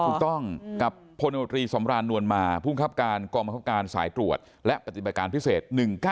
ถูกต้องกับพลโนตรีสำรานนวลมาภูมิครับการกองบังคับการสายตรวจและปฏิบัติการพิเศษ๑๙